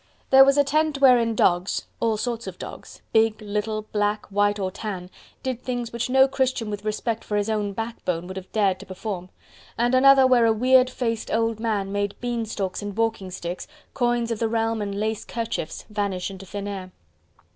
There was a tent wherein dogs all sorts of dogs, big, little, black, white or tan did things which no Christian with respect for his own backbone would have dared to perform, and another where a weird faced old man made bean stalks and walking sticks, coins of the realm and lace kerchiefs vanish into thin air.